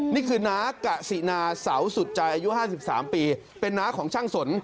นี่คือน้ากะสินาเสาสุดใจอายุ๕๓ปีเป็นน้าของช่างสน